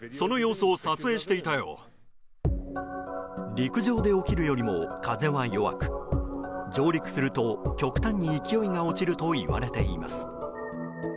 陸上で起きるよりも風は弱く上陸すると極端に勢いが落ちるといわれています。